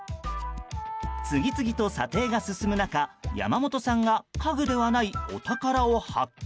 次々と査定が進む中山本さんが家具ではないお宝を発見。